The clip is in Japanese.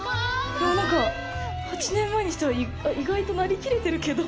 でも、なんか８年前にしては意外となりきれてるけど。